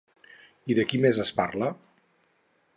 I de qui més es parla?